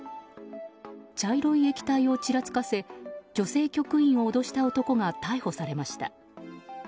茶色い液体をちらつかせ女性局員を脅した男が逮捕されました。